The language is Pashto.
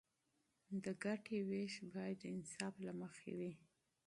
د ګټې ویش باید د انصاف له مخې وي.